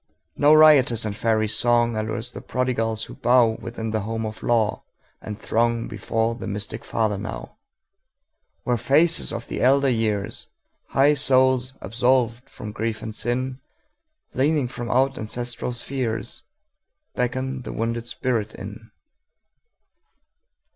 No riotous and fairy songAllures the prodigals who bowWithin the home of law, and throngBefore the mystic Father now, Where faces of the elder years, High souls absolved from grief and sin, Leaning from out ancestral spheresBeckon the wounded spirit in.